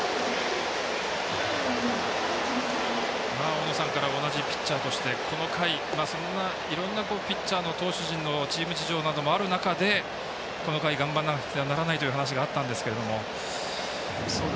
大野さんからは同じピッチャーとしてこの回、いろんなピッチャーの投手陣のチーム事情などもある中でこの回、頑張らなくてはならないという話があったんですけれども。